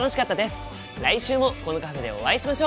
来週もこのカフェでお会いしましょう！